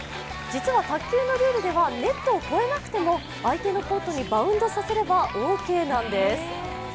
実は卓球のルールではネットを越えなくても相手のコートにバウンドさせればオーケーなんです。